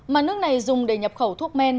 mà nước này dùng để nhập khẩu thuốc men